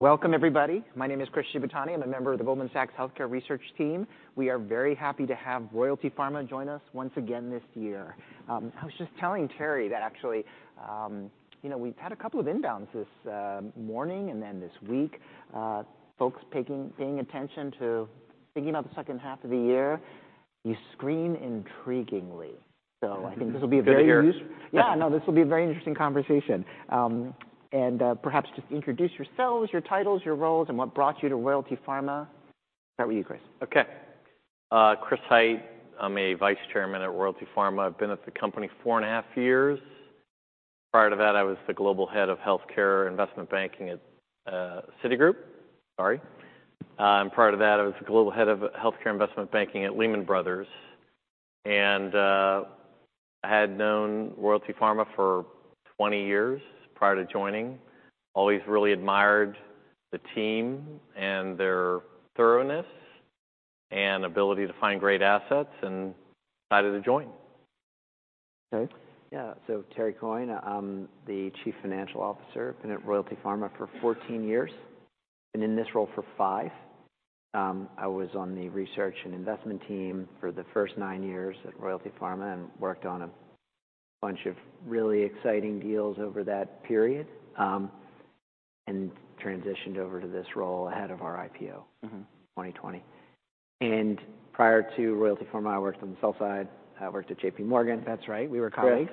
Welcome, everybody. My name is Chris Shibutani. I'm a member of the Goldman Sachs Healthcare Research Team. We are very happy to have Royalty Pharma join us once again this year. I was just telling Terry that actually, you know, we've had a couple of inbounds this morning, and then this week, folks paying attention to thinking about the second half of the year. You screen intriguingly. So I think this will be a very use- Good to hear. Yeah, no, this will be a very interesting conversation. Perhaps just introduce yourselves, your titles, your roles, and what brought you to Royalty Pharma. Start with you, Chris. Okay. Chris Hite. I'm a vice chairman at Royalty Pharma. I've been at the company 4.5 years. Prior to that, I was the global head of healthcare investment banking at Citigroup. Sorry. And prior to that, I was the global head of healthcare investment banking at Lehman Brothers. And I had known Royalty Pharma for 20 years prior to joining. Always really admired the team and their thoroughness and ability to find great assets, and decided to join. Okay. Yeah. So Terry Coyne, I'm the Chief Financial Officer. Been at Royalty Pharma for 14 years, and in this role for five. I was on the research and investment team for the first nine years at Royalty Pharma and worked on a bunch of really exciting deals over that period, and transitioned over to this role ahead of our IPO. Mm-hmm... 2020. Prior to Royalty Pharma, I worked on the sell side. I worked at J.P. Morgan. That's right. We were colleagues.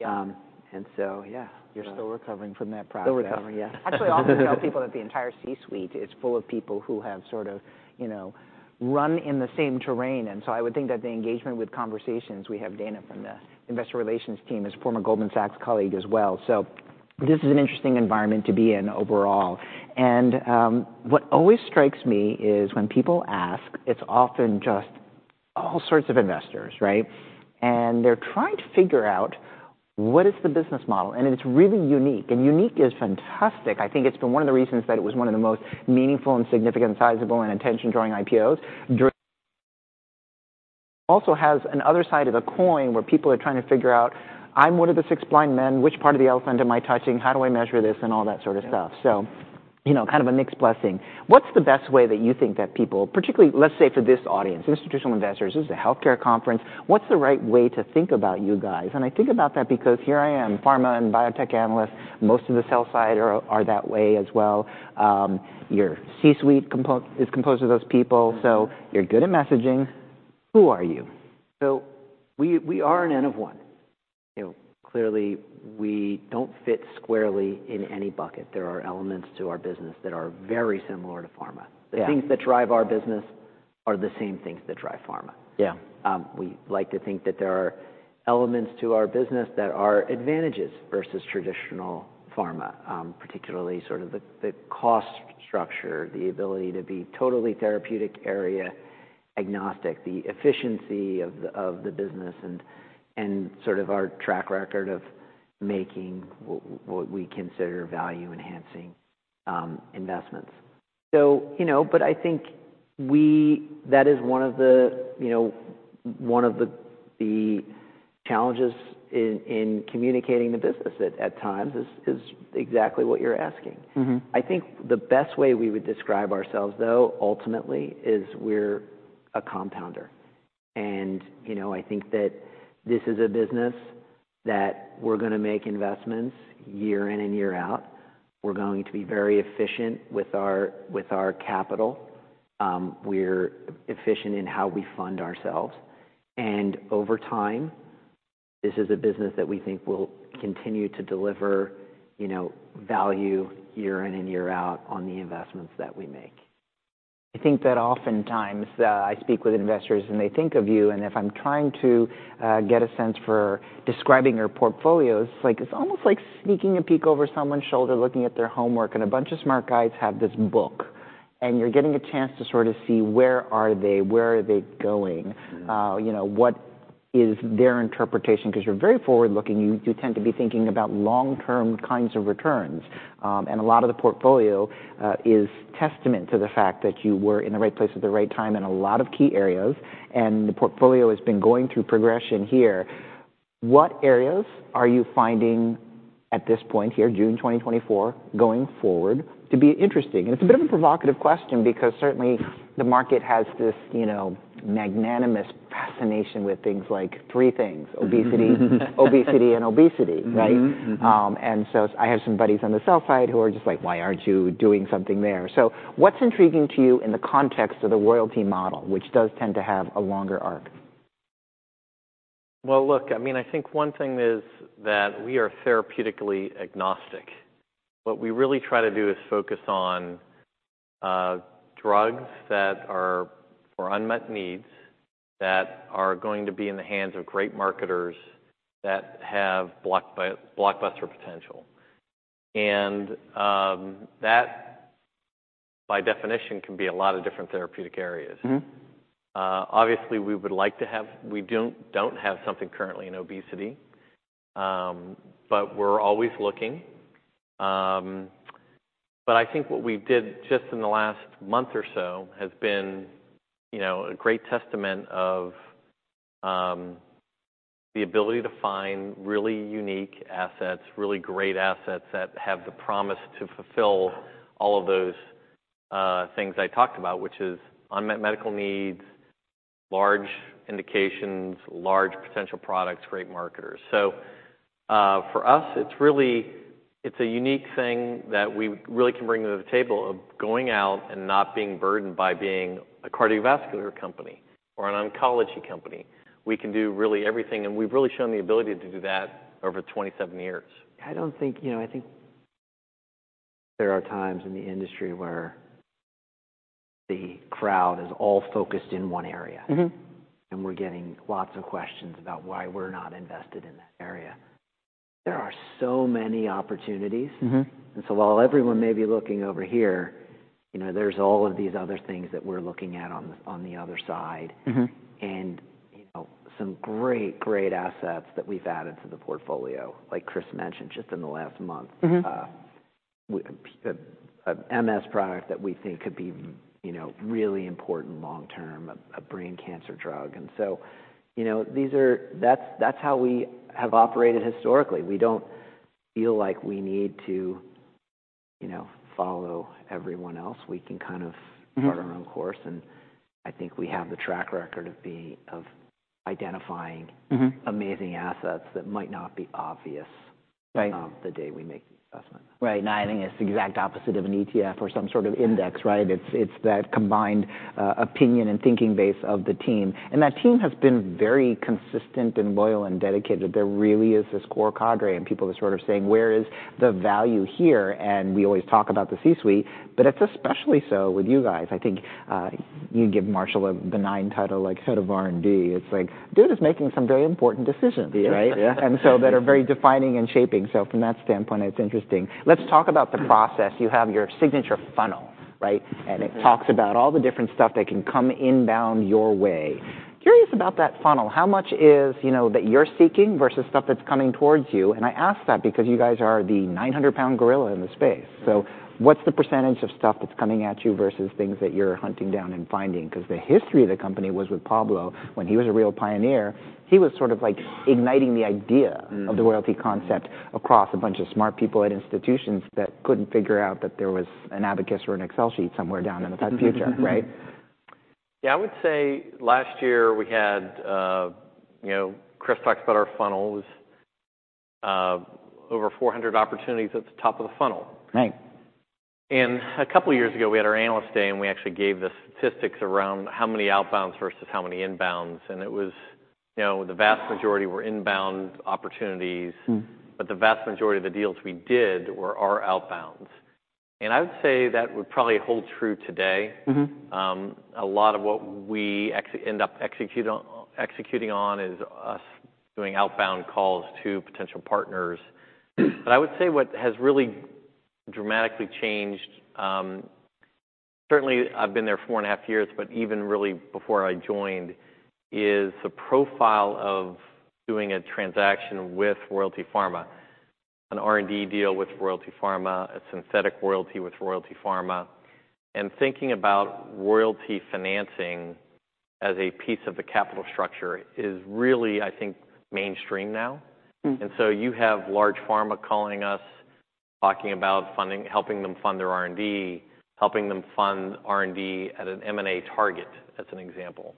Yeah. Um, And so, yeah. You're still recovering from that process. Still recovering, yeah. Actually, I often tell people that the entire C-suite is full of people who have sort of, you know, run in the same terrain, and so I would think that the engagement with conversations, we have Dana from the investor relations team, as a former Goldman Sachs colleague as well. So this is an interesting environment to be in overall. And what always strikes me is when people ask, it's often just all sorts of investors, right? And they're trying to figure out what is the business model, and it's really unique, and unique is fantastic. I think it's been one of the reasons that it was one of the most meaningful and significant, sizable, and attention-drawing IPOs. It also has another side of the coin where people are trying to figure out, "I'm one of the six blind men. Which part of the elephant am I touching? How do I measure this?" And all that sort of stuff. Yeah. So, you know, kind of a mixed blessing. What's the best way that you think that people, particularly, let's say, for this audience, institutional investors, this is a healthcare conference, what's the right way to think about you guys? And I think about that because here I am, pharma and biotech analyst. Most of the sell side are that way as well. Your C-suite is composed of those people, so you're good at messaging. Who are you? We are an N of one. You know, clearly, we don't fit squarely in any bucket. There are elements to our business that are very similar to pharma. Yeah. The things that drive our business are the same things that drive pharma. Yeah. We like to think that there are elements to our business that are advantages versus traditional pharma, particularly sort of the cost structure, the ability to be totally therapeutic area agnostic, the efficiency of the business, and sort of our track record of making what we consider value-enhancing investments. So, you know, but I think we... That is one of the, you know, one of the challenges in communicating the business at times is exactly what you're asking. Mm-hmm. I think the best way we would describe ourselves, though, ultimately, is we're a compounder. And, you know, I think that this is a business that we're gonna make investments year in and year out. We're going to be very efficient with our, with our capital. We're efficient in how we fund ourselves, and over time, this is a business that we think will continue to deliver, you know, value year in and year out on the investments that we make. I think that oftentimes, I speak with investors, and they think of you, and if I'm trying to get a sense for describing your portfolios, like, it's almost like sneaking a peek over someone's shoulder, looking at their homework, and a bunch of smart guys have this book, and you're getting a chance to sort of see where are they, where are they going? Mm. You know, what is their interpretation? Because you're very forward-looking. You, you tend to be thinking about long-term kinds of returns. And a lot of the portfolio is testament to the fact that you were in the right place at the right time in a lot of key areas, and the portfolio has been going through progression here. What areas are you finding at this point here, June 2024, going forward, to be interesting? And it's a bit of a provocative question because certainly the market has this, you know, magnanimous fascination with things like three things: Mm-hmm.... obesity, obesity, and obesity, right? Mm-hmm. Mm-hmm. And so I have some buddies on the sell side who are just like, "Why aren't you doing something there?" So what's intriguing to you in the context of the royalty model, which does tend to have a longer arc? Well, look, I mean, I think one thing is that we are therapeutically agnostic. What we really try to do is focus on drugs that are for unmet needs, that are going to be in the hands of great marketers, that have blockbuster potential. That, by definition, can be a lot of different therapeutic areas. Mm-hmm. Obviously, we would like to have. We don't, don't have something currently in obesity, but we're always looking. But I think what we did just in the last month or so has been, you know, a great testament of the ability to find really unique assets, really great assets that have the promise to fulfill all of those things I talked about, which is unmet medical needs, large indications, large potential products, great marketers. So, for us, it's really—it's a unique thing that we really can bring to the table of going out and not being burdened by being a cardiovascular company or an oncology company. We can do really everything, and we've really shown the ability to do that over 27 years. I don't think, you know, I think there are times in the industry where the crowd is all focused in one area. And we're getting lots of questions about why we're not invested in that area. There are so many opportunities. And so while everyone may be looking over here, you know, there's all of these other things that we're looking at on the other side. And, you know, some great, great assets that we've added to the portfolio, like Chris mentioned, just in the last month. An MS product that we think could be, you know, really important long term, a brain cancer drug. And so, you know, these are... That's how we have operated historically. We don't feel like we need to, you know, follow everyone else. We can kind of... chart our own course, and I think we have the track record of identifying, Mm-hmm, amazing assets that might not be obvious. Right the day we make the investment. Right. Now, I think it's the exact opposite of an ETF or some sort of index, right? It's, it's that combined opinion and thinking base of the team, and that team has been very consistent, and loyal, and dedicated. There really is this core cadre, and people are sort of saying, "Where is the value here?" And we always talk about the C-suite, but it's especially so with you guys. I think, you give Marshall a benign title, like, Head of R&D. It's like, dude is making some very important decisions, right? Yeah, yeah. And so that are very defining and shaping. So from that standpoint, it's interesting. Let's talk about the process. You have your signature funnel, right? Mm-hmm. It talks about all the different stuff that can come inbound your way. Curious about that funnel. How much is, you know, that you're seeking versus stuff that's coming towards you? And I ask that because you guys are the 900-pound gorilla in the space. Yeah. So what's the percentage of stuff that's coming at you versus things that you're hunting down and finding? Because the history of the company was with Pablo, when he was a real pioneer, he was sort of, like, igniting the idea- Mm - of the royalty concept across a bunch of smart people at institutions that couldn't figure out that there was an abacus or an Excel sheet somewhere down in the future, right? Yeah. I would say last year we had. You know, Chris talks about our funnels, over 400 opportunities at the top of the funnel. Right. A couple of years ago, we had our Analyst Day, and we actually gave the statistics around how many outbounds versus how many inbounds, and it was, you know, the vast majority were inbound opportunities. Mm. The vast majority of the deals we did were our outbounds, and I would say that would probably hold true today. Mm-hmm. A lot of what we actually end up executing on is us doing outbound calls to potential partners. But I would say what has really dramatically changed. Certainly, I've been there four and a half years, but even really before I joined, is the profile of doing a transaction with Royalty Pharma, an R&D deal with Royalty Pharma, a synthetic royalty with Royalty Pharma. And thinking about royalty financing as a piece of the capital structure is really, I think, mainstream now. Mm. And so you have large pharma calling us, talking about funding, helping them fund their R&D, helping them fund R&D at an M&A target, as an example.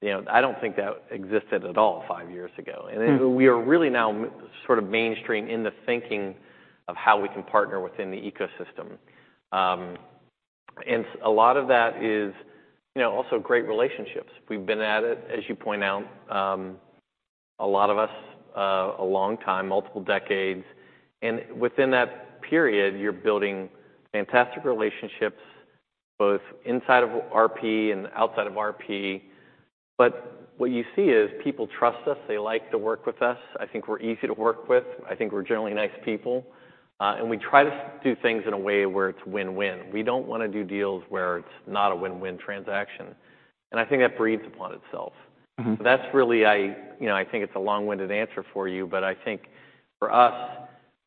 You know, I don't think that existed at all five years ago. Mm. We are really now sort of mainstream in the thinking of how we can partner within the ecosystem. A lot of that is, you know, also great relationships. We've been at it, as you point out, a lot of us, a long time, multiple decades, and within that period, you're building fantastic relationships, both inside of RP and outside of RP. But what you see is people trust us. They like to work with us. I think we're easy to work with. I think we're generally nice people, and we try to do things in a way where it's win-win. We don't wanna do deals where it's not a win-win transaction, and I think that breeds upon itself. Mm-hmm. So that's really. You know, I think it's a long-winded answer for you, but I think for us,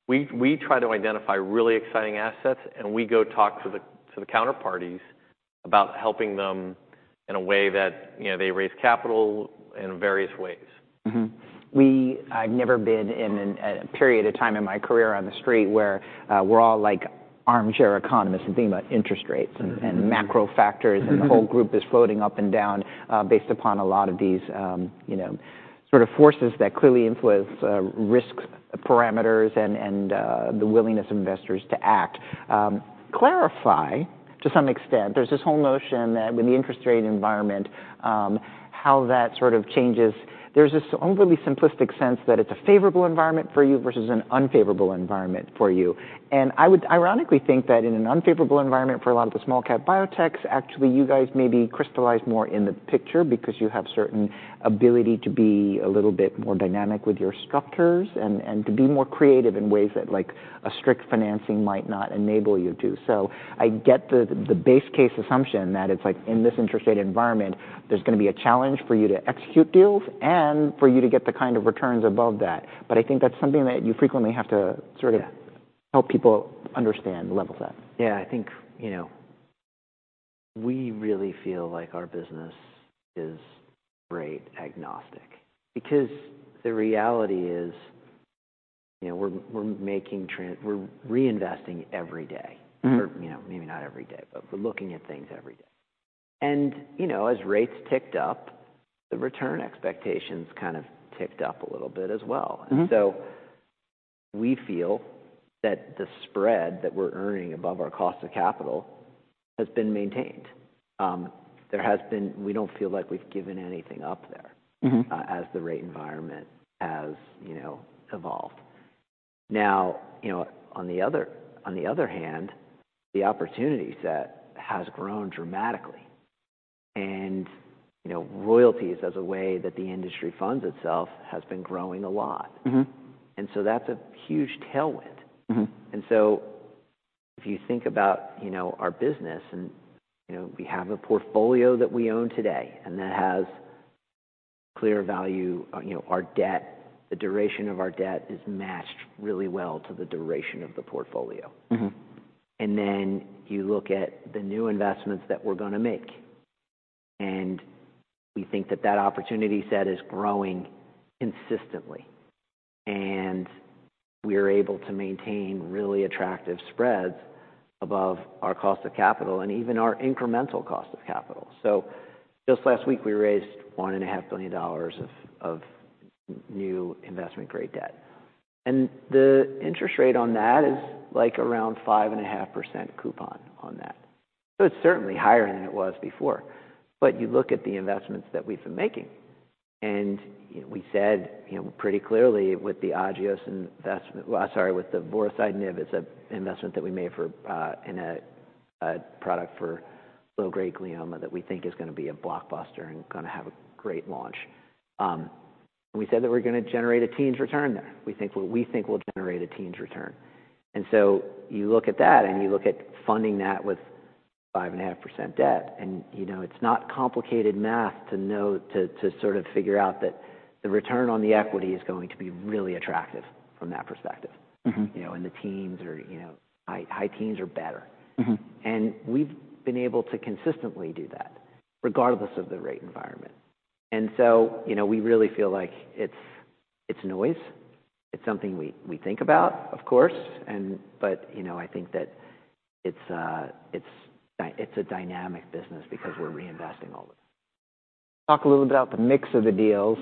we try to identify really exciting assets, and we go talk to the counterparties about helping them in a way that, you know, they raise capital in various ways. Mm-hmm. We- I've never been in a period of time in my career on the street where we're all like armchair economists and thinking about interest rates- Mm-hmm... and macro factors- Mm-hmm and the whole group is floating up and down, based upon a lot of these, you know, sort of forces that clearly influence, risk parameters and, the willingness of investors to act. Clarify, to some extent, there's this whole notion that with the interest rate environment, how that sort of changes. There's this overly simplistic sense that it's a favorable environment for you versus an unfavorable environment for you. And I would ironically think that in an unfavorable environment for a lot of the small cap biotechs, actually, you guys may be crystallized more in the picture because you have certain ability to be a little bit more dynamic with your structures and to be more creative in ways that, like, a strict financing might not enable you to. So I get the base case assumption that it's like, in this interest rate environment, there's gonna be a challenge for you to execute deals and for you to get the kind of returns above that. But I think that's something that you frequently have to sort of- Yeah help people understand the level set. Yeah, I think, you know- ...We really feel like our business is rate agnostic, because the reality is, you know, we're reinvesting every day. Mm-hmm. Or, you know, maybe not every day, but we're looking at things every day. And, you know, as rates ticked up, the return expectations kind of ticked up a little bit as well. Mm-hmm. And so we feel that the spread that we're earning above our cost of capital has been maintained. There has been-- We don't feel like we've given anything up there- Mm-hmm As the rate environment has, you know, evolved. Now, you know, on the other hand, the opportunity set has grown dramatically. And, you know, royalties as a way that the industry funds itself has been growing a lot. Mm-hmm. That's a huge tailwind. Mm-hmm. And so if you think about, you know, our business and, you know, we have a portfolio that we own today, and that has clear value. You know, our debt, the duration of our debt is matched really well to the duration of the portfolio. Mm-hmm. And then you look at the new investments that we're gonna make, and we think that that opportunity set is growing consistently. And we are able to maintain really attractive spreads above our cost of capital and even our incremental cost of capital. So just last week, we raised $1.5 billion of new investment-grade debt, and the interest rate on that is, like, around 5.5% coupon on that. So it's certainly higher than it was before. But you look at the investments that we've been making, and, you know, we said, you know, pretty clearly with the Agios investment. Well, sorry, with the vorasidenib, it's an investment that we made for a product for low-grade glioma that we think is gonna be a blockbuster and gonna have a great launch. We said that we're gonna generate a teens return there. We think we'll generate a teens return. So you look at that, and you look at funding that with 5.5% debt, and, you know, it's not complicated math to know, to sort of figure out that the return on the equity is going to be really attractive from that perspective. Mm-hmm. You know, and the teens are, you know, high, high teens are better. Mm-hmm. We've been able to consistently do that, regardless of the rate environment. So, you know, we really feel like it's noise. It's something we think about, of course, but, you know, I think that it's a dynamic business because we're reinvesting all the time. Talk a little about the mix of the deals.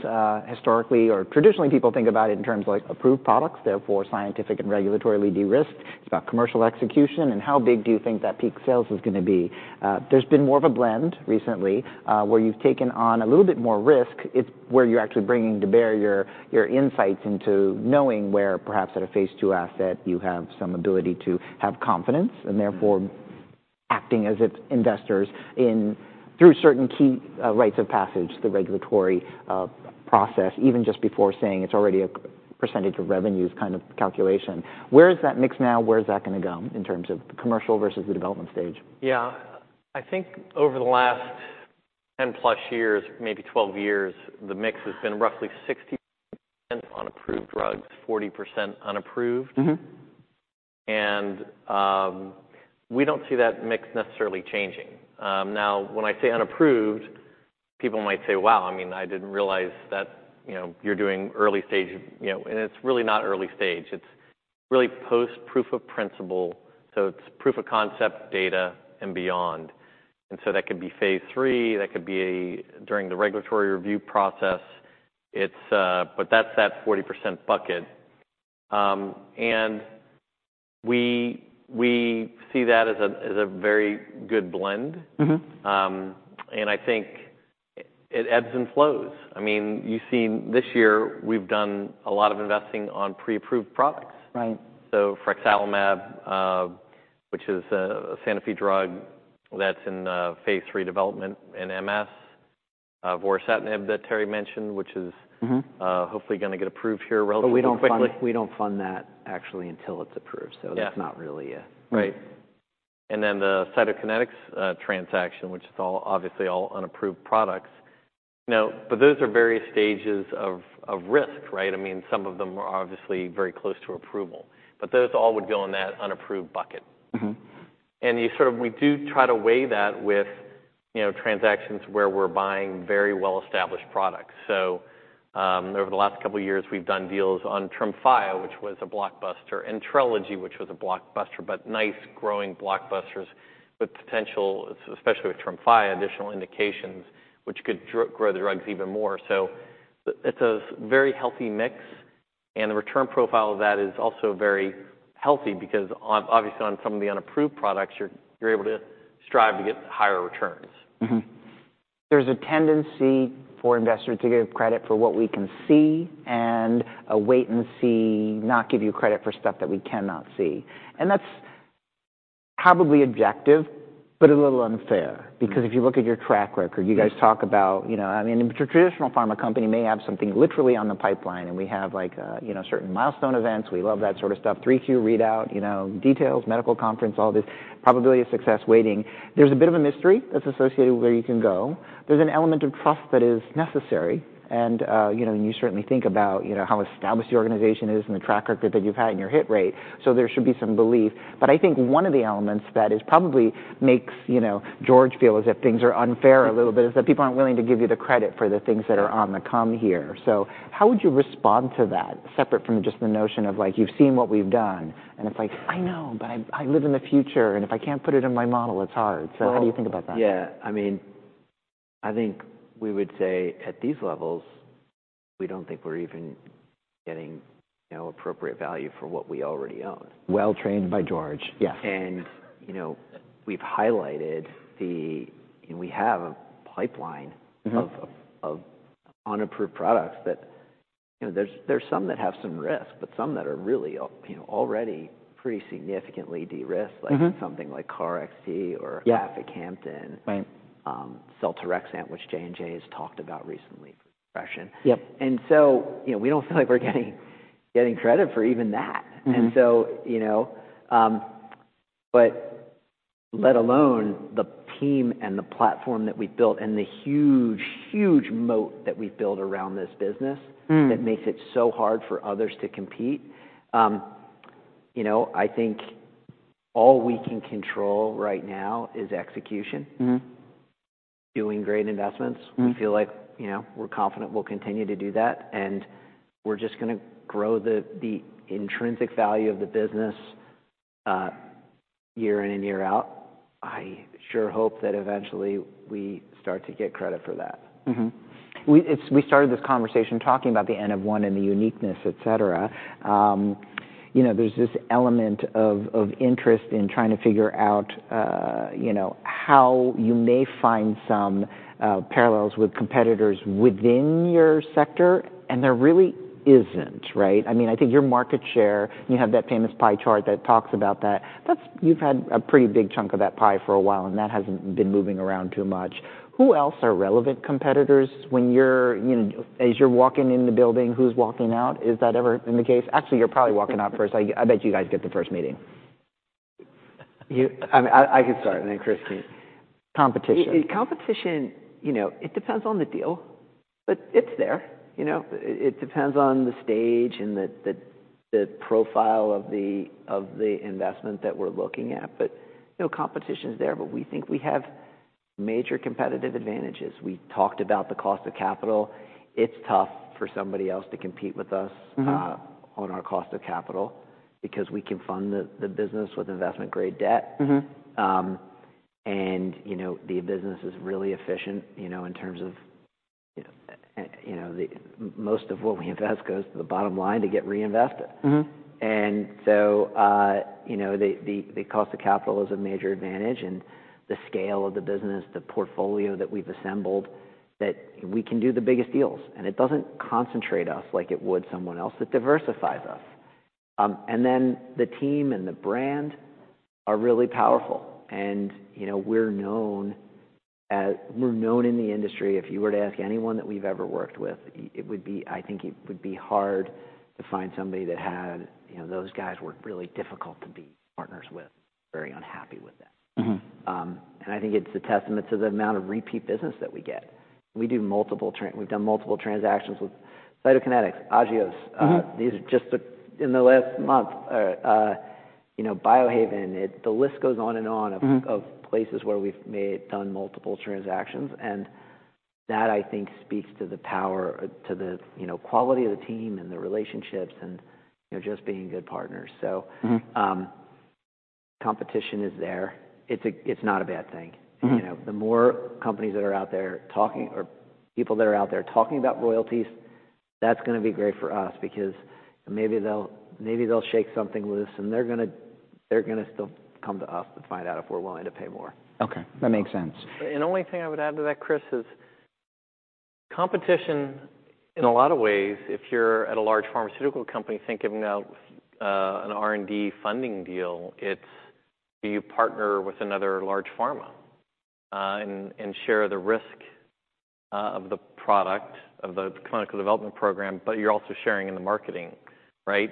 Historically or traditionally, people think about it in terms of, like, approved products, therefore scientific and regulatory de-risk. It's about commercial execution, and how big do you think that peak sales is gonna be? There's been more of a blend recently, where you've taken on a little bit more risk. It's where you're actually bringing to bear your insights into knowing where, perhaps at a phase II asset, you have some ability to have confidence, and therefore acting as its investors in, through certain key rites of passage, the regulatory process, even just before saying it's already a percentage of revenues kind of calculation. Where is that mix now? Where is that gonna go in terms of the commercial versus the development stage? Yeah. I think over the last 10+ years, maybe 12 years, the mix has been roughly 60% on approved drugs, 40% unapproved. Mm-hmm. We don't see that mix necessarily changing. Now, when I say unapproved, people might say, "Wow, I mean, I didn't realize that, you know, you're doing early stage," you know, and it's really not early stage. It's really post proof of principle, so it's proof of concept, data, and beyond. And so that could be phase III, that could be during the regulatory review process. It's, but that's that 40% bucket. And we see that as a very good blend. Mm-hmm. I think it ebbs and flows. I mean, you've seen... this year, we've done a lot of investing on pre-approved products. Right. So frexalimab, which is a Sanofi drug that's in phase III development in MS. Vorasidenib that Terry mentioned, which is- Mm-hmm Hopefully gonna get approved here relatively quickly. We don't fund, we don't fund that actually until it's approved. Yeah. So that's not really a- Right. And then the Cytokinetics transaction, which is all, obviously all unapproved products. Now, but those are various stages of risk, right? I mean, some of them are obviously very close to approval, but those all would go in that unapproved bucket. Mm-hmm. And you sort of, we do try to weigh that with, you know, transactions where we're buying very well-established products. So, over the last couple of years, we've done deals on Tremfya, which was a blockbuster, Trelegy, which was a blockbuster, but nice, growing blockbusters with potential, especially with Tremfya, additional indications, which could grow the drugs even more. So it's a very healthy mix, and the return profile of that is also very healthy because obviously, on some of the unapproved products, you're able to strive to get higher returns. Mm-hmm. There's a tendency for investors to give credit for what we can see and a wait-and-see, not give you credit for stuff that we cannot see. And that's-... probably objective, but a little unfair. Because if you look at your track record, you guys talk about, you know, I mean, the traditional pharma company may have something literally on the pipeline, and we have like, you know, certain milestone events. We love that sort of stuff. 3Q readout, you know, details, medical conference, all this probability of success waiting. There's a bit of a mystery that's associated with where you can go. There's an element of trust that is necessary, and, you know, you certainly think about, you know, how established the organization is and the track record that you've had and your hit rate. So there should be some belief. But I think one of the elements that probably makes, you know, George feel as if things are unfair a little bit, is that people aren't willing to give you the credit for the things that are on the come here. So how would you respond to that, separate from just the notion of, like, you've seen what we've done, and it's like, "I know, but I, I live in the future, and if I can't put it in my model, it's hard." So how do you think about that? Well, yeah. I mean, I think we would say at these levels, we don't think we're even getting, you know, appropriate value for what we already own. Well-trained by George, yes. You know, we've highlighted the-- and we have a pipeline- Mm-hmm... of unapproved products that, you know, there's some that have some risk, but some that are really, you know, already pretty significantly de-risked. Mm-hmm. Like something like KarXT or- Yeah -Aficamten. Right. seltorexant, which J&J has talked about recently, progression. Yep. You know, we don't feel like we're getting credit for even that. Mm-hmm. And so, you know, but let alone the team and the platform that we've built and the huge, huge moat that we've built around this business- Mm... that makes it so hard for others to compete. You know, I think all we can control right now is execution. Mm-hmm. Doing great investments. Mm-hmm. We feel like, you know, we're confident we'll continue to do that, and we're just gonna grow the intrinsic value of the business year in and year out. I sure hope that eventually we start to get credit for that. Mm-hmm. We started this conversation talking about the N of one and the uniqueness, et cetera. You know, there's this element of interest in trying to figure out, you know, how you may find some parallels with competitors within your sector, and there really isn't, right? I mean, I think your market share, you have that famous pie chart that talks about that. That's—You've had a pretty big chunk of that pie for a while, and that hasn't been moving around too much. Who else are relevant competitors when you're, you know—As you're walking in the building, who's walking out? Is that ever in the case? Actually, you're probably walking out first. I bet you guys get the first meeting. I can start, and then Chris can Competition. Competition, you know, it depends on the deal, but it's there. You know, it depends on the stage and the profile of the investment that we're looking at. But, you know, competition's there, but we think we have major competitive advantages. We talked about the cost of capital. It's tough for somebody else to compete with us. Mm-hmm... on our cost of capital because we can fund the business with investment-grade debt. Mm-hmm. You know, the business is really efficient, you know, in terms of, you know, the most of what we invest goes to the bottom line to get reinvested. Mm-hmm. So, you know, the cost of capital is a major advantage and the scale of the business, the portfolio that we've assembled, that we can do the biggest deals. And it doesn't concentrate us like it would someone else. It diversifies us. And then the team and the brand are really powerful, and, you know, we're known as—we're known in the industry. If you were to ask anyone that we've ever worked with, it would be—I think it would be hard to find somebody that had, you know, those guys were really difficult to be partners with, very unhappy with them. Mm-hmm. I think it's a testament to the amount of repeat business that we get. We've done multiple transactions with Cytokinetics, Agios. Mm-hmm. These are just the... In the last month, you know, Biohaven. It—the list goes on and on. Mm-hmm... of places where we've made, done multiple transactions, and that, I think, speaks to the power, to the, you know, quality of the team and the relationships and, you know, just being good partners, so. Mm-hmm. Competition is there. It's not a bad thing. Mm-hmm. You know, the more companies that are out there talking or people that are out there talking about royalties, that's gonna be great for us because maybe they'll, maybe they'll shake something loose, and they're gonna, they're gonna still come to us to find out if we're willing to pay more. Okay, that makes sense. And the only thing I would add to that, Chris, is competition in a lot of ways, if you're at a large pharmaceutical company, think of now, an R&D funding deal. It's do you partner with another large pharma, and, and share the risk, of the product, of the clinical development program, but you're also sharing in the marketing, right?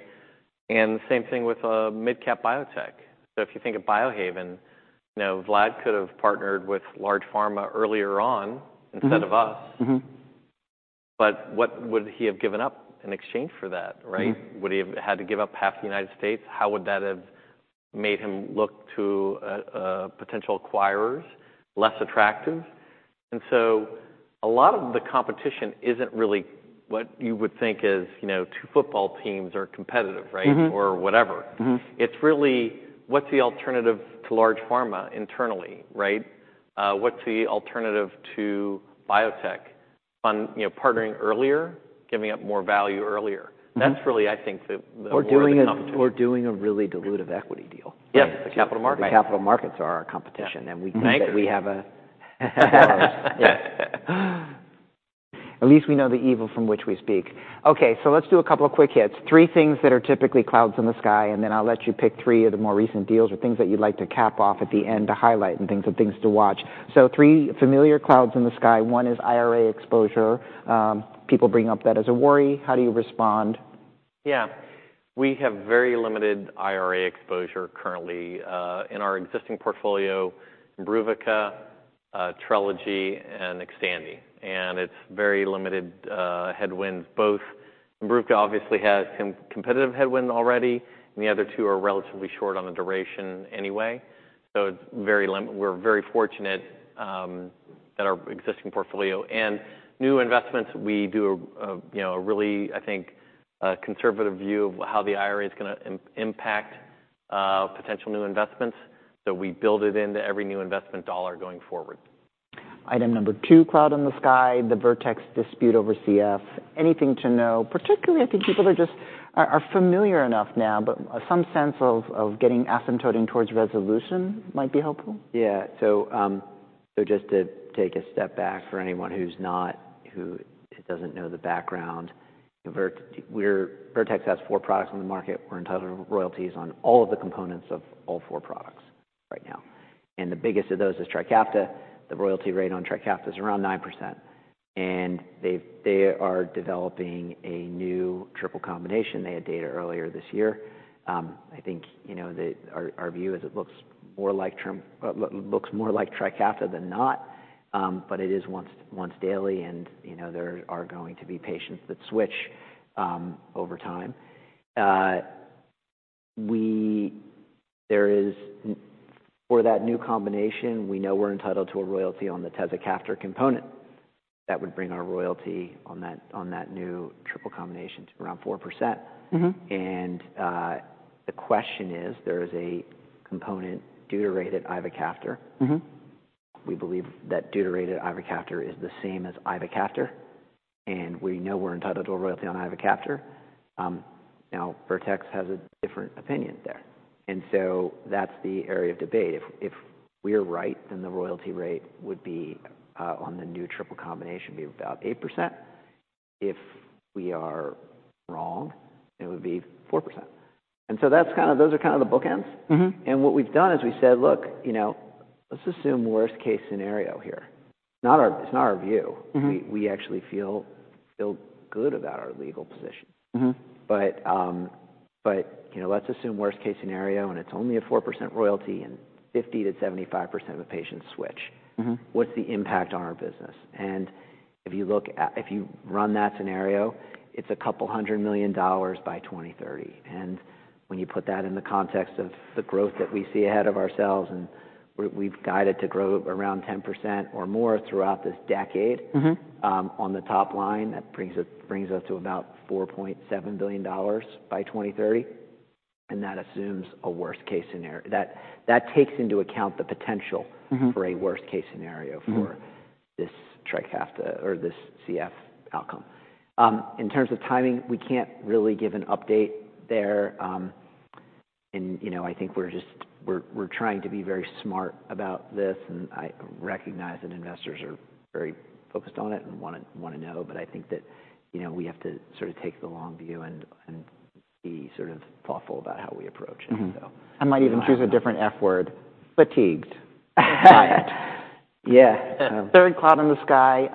And the same thing with a midcap biotech. So if you think of Biohaven, you know, Vlad could have partnered with large pharma earlier on- Mm-hmm... instead of us. Mm-hmm. But what would he have given up in exchange for that, right? Mm-hmm. Would he have had to give up half the United States? How would that have made him look to potential acquirers? Less attractive. And so a lot of the competition isn't really what you would think is, you know, two football teams are competitive, right? Mm-hmm. Or whatever. Mm-hmm. It's really, what's the alternative to large pharma internally, right? What's the alternative to biotech on, you know, partnering earlier, giving up more value earlier? Mm-hmm. That's really, I think, the- Or doing a- -competition... or doing a really dilutive equity deal. Yes, the capital markets. The capital markets are our competition. Yeah. We think that we have Yeah.... At least we know the evil from which we speak. Okay, so let's do a couple of quick hits. Three things that are typically clouds in the sky, and then I'll let you pick three of the more recent deals or things that you'd like to cap off at the end to highlight and things, and things to watch. So three familiar clouds in the sky. One is IRA exposure. People bring up that as a worry. How do you respond? Yeah. We have very limited IRA exposure currently in our existing portfolio, Imbruvica, Trelegy, and Xtandi, and it's very limited headwind. Both Imbruvica obviously has competitive headwind already, and the other two are relatively short on the duration anyway, so it's very limited. We're very fortunate that our existing portfolio and new investments, we do a you know, a really, I think, a conservative view of how the IRA is gonna impact potential new investments. So we build it into every new investment dollar going forward. Item number two, cloud in the sky, the Vertex dispute over CF. Anything to know? Particularly, I think people are just familiar enough now, but some sense of getting asymptoting towards resolution might be helpful. Yeah. So, just to take a step back, for anyone who doesn't know the background, Vertex has four products on the market. We're entitled to royalties on all of the components of all four products right now, and the biggest of those is Trikafta. The royalty rate on Trikafta is around 9%, and they are developing a new triple combination. They had data earlier this year. I think, you know, our view is it looks more like Trikafta than not, but it is once daily, and, you know, there are going to be patients that switch over time. There is... For that new combination, we know we're entitled to a royalty on the tezacaftor component. That would bring our royalty on that, on that new triple combination to around 4%. Mm-hmm. The question is, there is a component, deuterated ivacaftor. Mm-hmm. We believe that deuterated ivacaftor is the same as ivacaftor, and we know we're entitled to a royalty on ivacaftor. Now, Vertex has a different opinion there, and so that's the area of debate. If, if we're right, then the royalty rate would be on the new triple combination, be about 8%. If we are wrong, it would be 4%. And so that's kind of—those are kind of the bookends. Mm-hmm. What we've done is we've said, "Look, you know, let's assume worst case scenario here." It's not our view. Mm-hmm. We actually feel good about our legal position. Mm-hmm. But, you know, let's assume worst case scenario, and it's only a 4% royalty and 50%-75% of the patients switch. Mm-hmm. What's the impact on our business? And if you run that scenario, it's $200 million by 2030. And when you put that in the context of the growth that we see ahead of ourselves, and we've guided to grow around 10% or more throughout this decade- Mm-hmm... on the top line, that brings us to about $4.7 billion by 2030, and that assumes a worst case scenario. That takes into account the potential- Mm-hmm... for a worst case scenario. Mm-hmm For this Trikafta or this CF outcome. In terms of timing, we can't really give an update there. And, you know, I think we're just trying to be very smart about this, and I recognize that investors are very focused on it and wanna, wanna know, but I think that, you know, we have to sort of take the long view and be sort of thoughtful about how we approach it. Mm-hmm. So- I might even choose a different F word: fatigued. Yeah. Third cloud in the sky,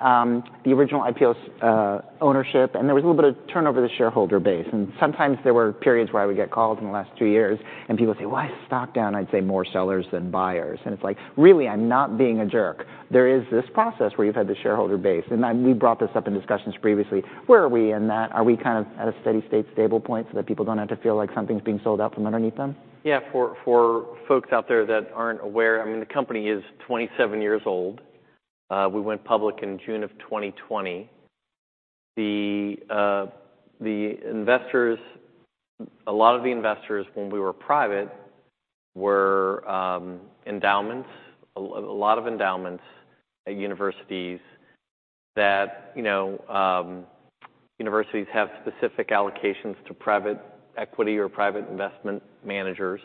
the original IPO's ownership, and there was a little bit of turnover of the shareholder base, and sometimes there were periods where I would get calls in the last two years, and people would say, "Why is the stock down?" I'd say, "More sellers than buyers." And it's like, really, I'm not being a jerk. There is this process where you've had the shareholder base, and we brought this up in discussions previously. Where are we in that? Are we kind of at a steady state, stable point, so that people don't have to feel like something's being sold out from underneath them? Yeah, for folks out there that aren't aware, I mean, the company is 27 years old. We went public in June of 2020. The investors, a lot of the investors when we were private, were endowments, a lot of endowments at universities that, you know... Universities have specific allocations to private equity or private investment managers,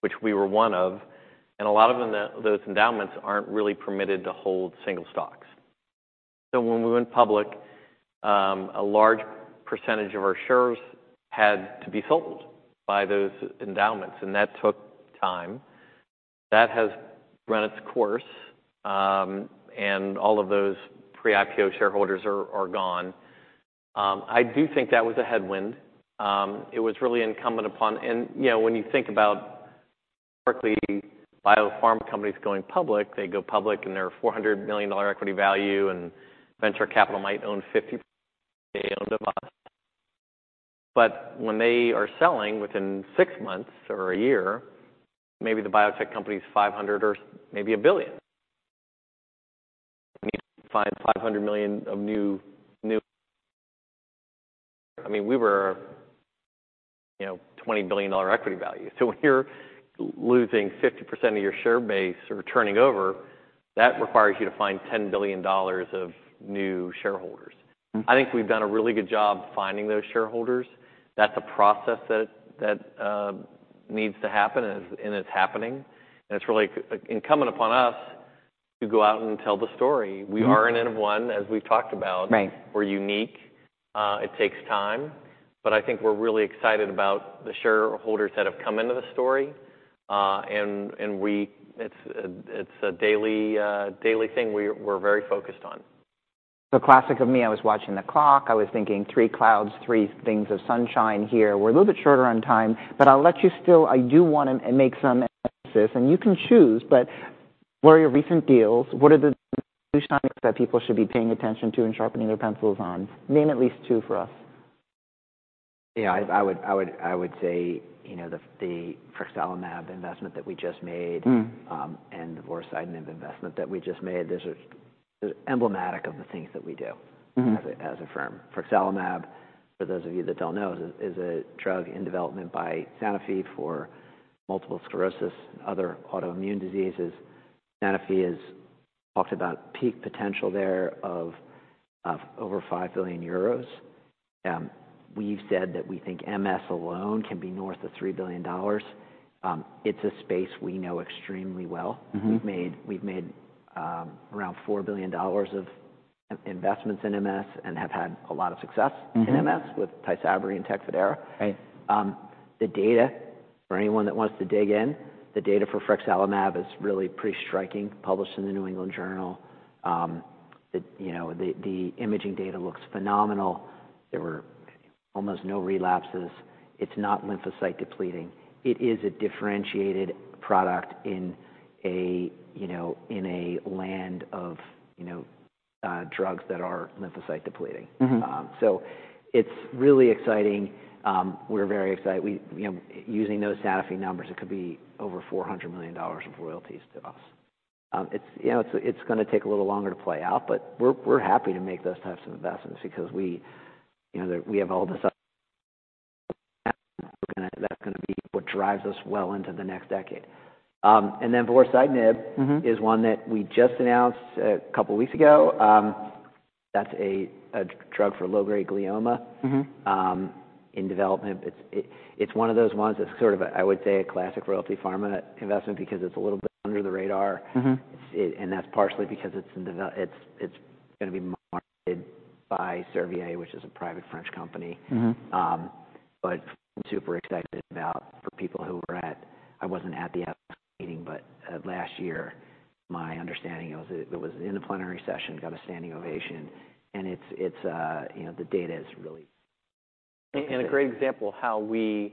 which we were one of, and a lot of them, those endowments, aren't really permitted to hold single stocks. So when we went public, a large percentage of our shares had to be sold by those endowments, and that took time. That has run its course, and all of those pre-IPO shareholders are gone. I do think that was a headwind. It was really incumbent upon... You know, when you think about historically, biopharma companies going public, they go public, and they're $400 million equity value, and venture capital might own 50... They owned a lot. But when they are selling within six months or a year, maybe the biotech company's $500 million or maybe $1 billion. You need to find $500 million of new, new... I mean, we were, you know, $20 billion equity value. So when you're losing 50% of your share base or turning over, that requires you to find $10 billion of new shareholders. Mm-hmm. I think we've done a really good job finding those shareholders. That's a process that needs to happen, and it's happening. It's really incumbent upon us to go out and tell the story. Mm-hmm. We are an N of one, as we've talked about. Right. We're unique. It takes time, but I think we're really excited about the shareholders that have come into the story. And it's a daily thing we're very focused on. So classic of me, I was watching the clock. I was thinking three clouds, three things of sunshine here. We're a little bit shorter on time, but I'll let you still... I do wanna make some emphasis, and you can choose, but what are your recent deals? What are the new signs that people should be paying attention to and sharpening their pencils on? Name at least two for us. Yeah, I would say, you know, the frexalimab investment that we just made- Mm. and vorasidenib investment that we just made, those are emblematic of the things that we do Mm-hmm As a firm. Frexalimab, for those of you that don't know, is a drug in development by Sanofi for multiple sclerosis and other autoimmune diseases. Sanofi has talked about peak potential thereof over 5 billion euros. We've said that we think MS alone can be north of $3 billion. It's a space we know extremely well. Mm-hmm. We've made around $4 billion of investments in MS and have had a lot of success. Mm-hmm in MS with Tysabri and Tecfidera. Right. The data, for anyone that wants to dig in, the data for frexalimab is really pretty striking, published in the New England Journal. It, you know, the imaging data looks phenomenal. There were almost no relapses. It's not lymphocyte depleting. It is a differentiated product in a, you know, in a land of, you know, drugs that are lymphocyte depleting. Mm-hmm. So it's really exciting. We're very excited. Using those Sanofi numbers, it could be over $400 million of royalties to us. It's, you know, it's, it's gonna take a little longer to play out, but we're, we're happy to make those types of investments because we, you know, we have all this that's gonna be what drives us well into the next decade. And then vorasidenib- Mm-hmm is one that we just announced a couple weeks ago. That's a drug for low-grade glioma. Mm-hmm in development. It's one of those ones that's sort of, I would say, a classic Royalty Pharma investment because it's a little bit under the radar. Mm-hmm. And that's partially because it's in development. It's gonna be marketed by Servier, which is a private French company. Mm-hmm. But super excited about for people who were at... I wasn't at the meeting, but, last year, my understanding, you know, the data is really- A great example of how we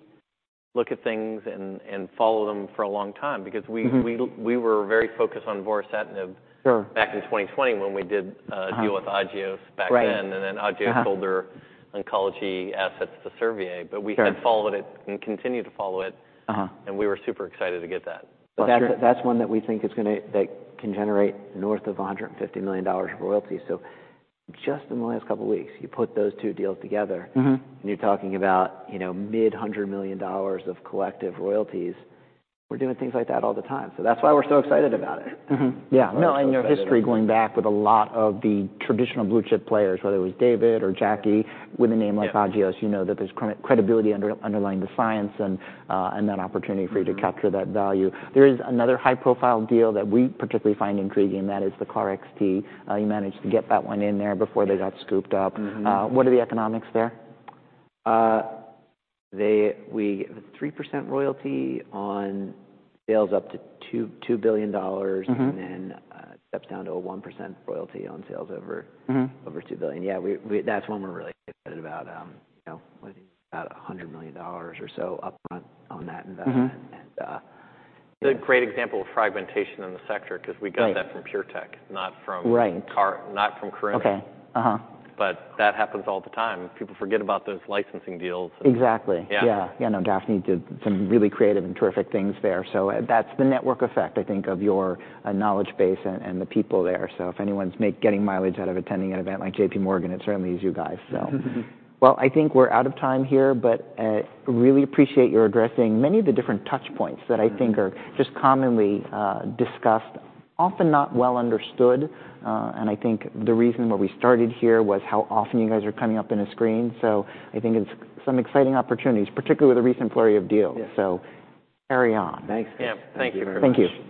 look at things and follow them for a long time, because we- Mm-hmm... we were very focused on vorasidenib- Sure back in 2020 when we did deal with Agios back then. Right. Agios sold their oncology assets to Servier. Sure. But we had followed it and continued to follow it- Uh-huh And we were super excited to get that. That's one that we think is gonna... That can generate north of $150 million of royalties. So just in the last couple weeks, you put those two deals together- Mm-hmm you're talking about, you know, mid-$100 million of collective royalties. We're doing things like that all the time, so that's why we're so excited about it. Mm-hmm. Yeah. We're so excited about it. No, and your history going back with a lot of the traditional blue chip players, whether it was David or Jackie, with a name like- Yeah Agios, you know that there's credibility underlying the science and and that opportunity for you to capture that value. There is another high-profile deal that we particularly find intriguing, that is the KarXT. You managed to get that one in there before they got scooped up. Mm-hmm. What are the economics there? 3% royalty on sales up to $2.2 billion- Mm-hmm -and then, steps down to a 1% royalty on sales over- Mm-hmm over $2 billion. Yeah, that's one we're really excited about. You know, about $100 million or so upfront on that investment. Mm-hmm. And, uh- It's a great example of fragmentation in the sector- Right -because we got that from PureTech, not from- Right not from Karuna. Okay. Uh-huh. But that happens all the time. People forget about those licensing deals. Exactly. Yeah. Yeah. Yeah, no, Daphne did some really creative and terrific things there, so that's the network effect, I think, of your knowledge base and the people there. So if anyone's getting mileage out of attending an event like J.P. Morgan, it certainly is you guys, so. Mm-hmm. Well, I think we're out of time here, but really appreciate your addressing many of the different touch points that I think are just commonly discussed, often not well understood, and I think the reason where we started here was how often you guys are coming up in a screen. So I think it's some exciting opportunities, particularly with the recent flurry of deals. Yeah. So carry on. Thanks. Yeah. Thank you very much. Thank you.